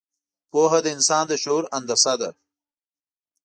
پوهه د انسان د شعور هندسه ده.